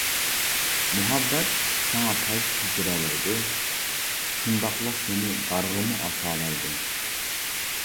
مۇھەببەت ساڭا تاج كىيدۈرەلەيدۇ، شۇنداقلا سىنى دارغىمۇ ئاسالايدۇ.